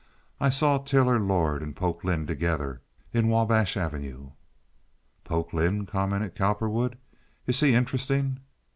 I saw Taylor Lord and Polk Lynde together in Wabash Avenue." "Polk Lynde?" commented Cowperwood. "Is he interesting?"